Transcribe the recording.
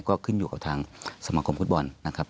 ก็ขึ้นอยู่กับทางสมาคมฟุตบอลนะครับ